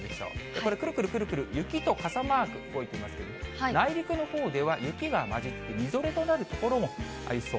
これ、くるくるくるくる、雪と傘マーク、動いていますけれども、内陸のほうでは、雪が混じってみぞれとなる所もありそう。